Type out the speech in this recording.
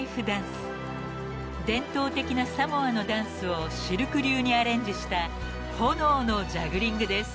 ［伝統的なサモアのダンスをシルク流にアレンジした炎のジャグリングです］